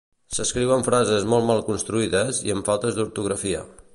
S'escriuen frases molt mal construïdes i amb faltes d'ortografia